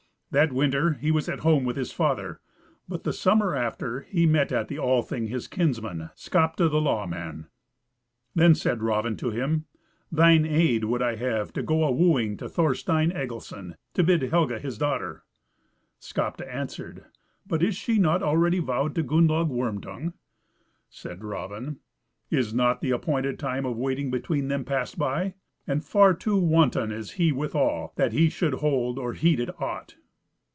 That winter he was at home with his father, but the summer after he met at the Althing his kinsman, Skapti the law man. Then said Raven to him, "Thine aid would I have to go a wooing to Thorstein Egilson, to bid Helga his daughter." Skapti answered, "But is she not already vowed to Gunnlaug Worm tongue?" Said Raven, "Is not the appointed time of waiting between them passed by? And far too wanton is he withal, that he should hold or heed it aught."